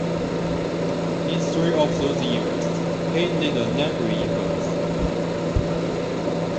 In three of those years he led the league in goals.